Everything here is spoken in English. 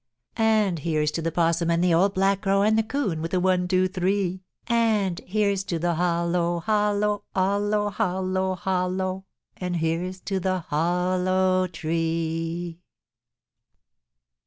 Then here's to the 'Possum, and the Old Black Crow, And the 'Coon, with a one, two, three! And here's to the hollow, hollow, hollow, hollow, hollow, And here's to the hollow tree.